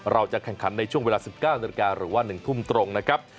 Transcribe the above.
เราจะแข่งขันในช่วงเวลา๑๙นาฬิกาหรือว่า๑ทุ่มตรงนะครับ